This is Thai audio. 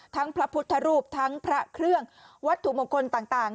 พระพุทธรูปทั้งพระเครื่องวัตถุมงคลต่าง